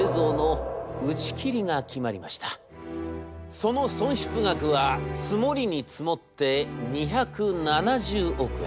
その損失額は積もりに積もって２７０億円。